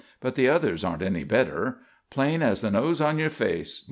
But the others aren't any better. Plain as the nose on your face!